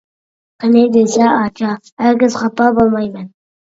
قېنى دېسە ئاچا، ھەرگىز خاپا بولمايمەن.